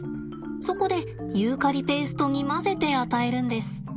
そこでユーカリペーストに混ぜて与えるんです。